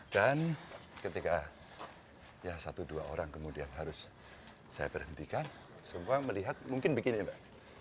dan ketika ya satu dua orang kemudian harus saya berhentikan semua melihat mungkin begini mbak